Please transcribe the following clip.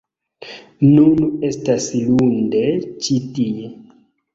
Nun estas lunde ĉi tie